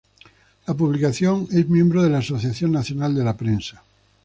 La publicación es miembro de la Asociación Nacional de la Prensa.